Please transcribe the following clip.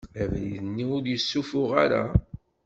Abrid-nni ur yessufuɣ ara.